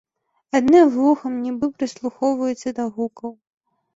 Адным вухам нібы прыслухоўваецца да гукаў.